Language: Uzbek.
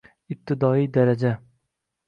ibtidoiy daraja